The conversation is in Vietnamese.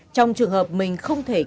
trong trường hợp mình không thể kiểm soát